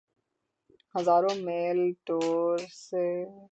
ہزاروں میل دور سے۔